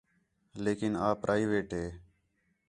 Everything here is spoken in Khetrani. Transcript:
لیکن آ پرائیویٹ ہے